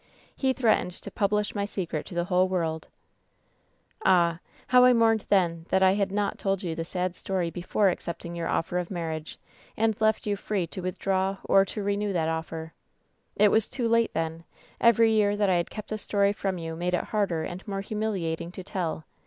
He threatened to publish my secret to the whole world ! 'SAi 1 how I mourned then that I had not told you the sad story before accepting your offer of marriage, and left you free to withdraw or to renew that offer. "It was too late then ! Every year that I had kept the story from you made it harder and more humiliating to tell.